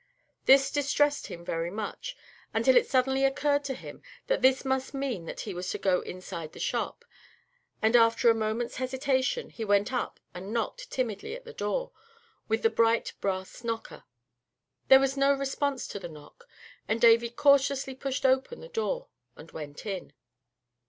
This distressed him very much, until it suddenly occurred to him that this must mean that he was to go into the shop; and, after a moment's hesitation, he went up and knocked timidly at the door with the bright brass knocker. There was no response to the knock, and Davy cautiously pushed open the door and went in.